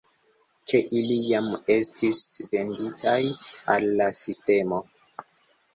Ke ili jam estis "venditaj" al la sistemo.